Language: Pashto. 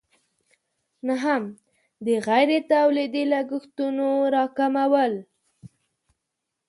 نهم: د غیر تولیدي لګښتونو راکمول.